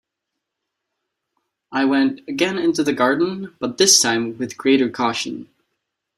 I went again into the garden, but this time with greater caution.